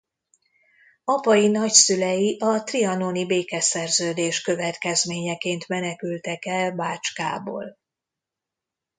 Apai nagyszülei a trianoni békeszerződés következményeként menekültek el Bácskából.